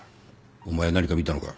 お前何か見たのか？